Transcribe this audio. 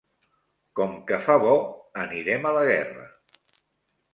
Com que fa bo anirem a la guerra.